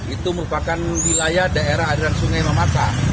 itu merupakan wilayah daerah airan sungai mamasa